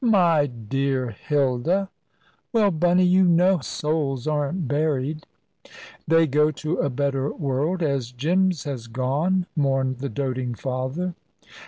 "My dear Hilda!" "Well, Bunny, you know souls aren't buried." "They go to a better world, as Jim's has gone," mourned the doting father.